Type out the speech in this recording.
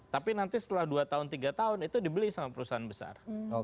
tapi nanti setelah dua tahun tiga tahun itu dibeli sama perusahaan besar